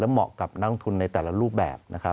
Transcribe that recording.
และเหมาะกับนักลงทุนในแต่ละรูปแบบ